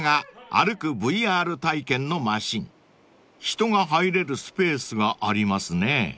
［人が入れるスペースがありますね］